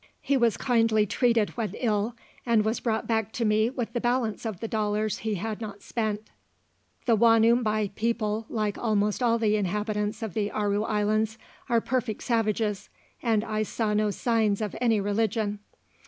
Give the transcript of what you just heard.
He was kindly treated when ill, and was brought back to me with the balance of the dollars he had not spent. The Wanumbai people, like almost all the inhabitants of the Aru Islands, are perfect savages, and I saw no signs of any religion.